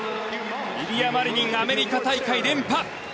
イリア・マリニンアメリカ大会連覇。